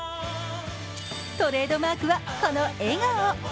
トレードマークは、この笑顔。